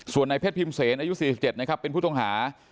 ส่วนในเพศพิมเซอายุ๔๗เป็นผู้ต้องหา